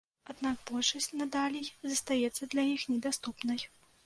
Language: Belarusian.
Аднак большасць надалей застаецца для іх недаступнай.